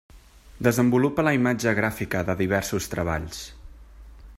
Desenvolupa la imatge gràfica de diversos treballs.